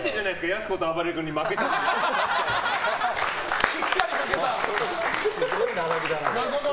やす子とあばれる君に負けたの。